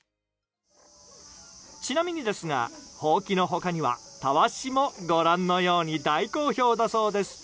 ちなみにですが、ほうきの他にはたわしもご覧のように大好評だそうです。